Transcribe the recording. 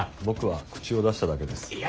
僕は口を出しただけです。